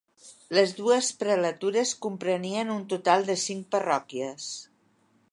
Les dues prelatures comprenien un total de cinc parròquies.